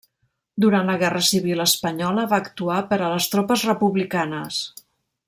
Durant la Guerra Civil espanyola va actuar per a les tropes republicanes.